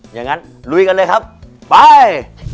อย่างนั้นลุยกันเลยครับไป